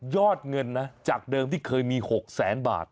ยอดเงินจากเดิมที่เคยมี๖๐๐๐๐๐บาท